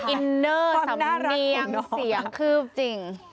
อินเนอร์สำเรียงเสียงคืบจริง